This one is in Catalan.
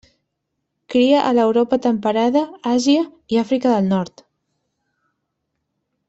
Cria a l'Europa temperada, Àsia i Àfrica del Nord.